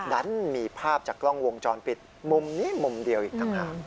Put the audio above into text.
ดันมีภาพจากกล้องวงจรปิดมุมนี้มุมเดียวอีกต่างหาก